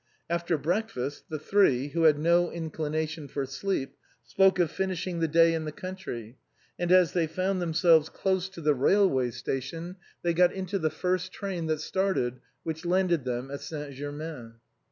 After breakfast, the three, who had no inclination for sleep, spoke of finishing the day in the country, and as they found themselves close to the railway station they got into the first train that started, and which landed them at Saint Germain.